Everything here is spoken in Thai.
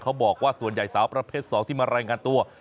เขาบอกว่าส่วนใหญ่สาวประเภท๒ที่มารายงานตัว